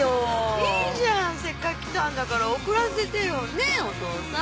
いいじゃんせっかく来たんだから送らせてよねぇお父さん。